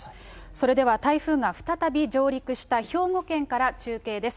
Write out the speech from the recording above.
それでは台風が再び上陸した兵庫県から中継です。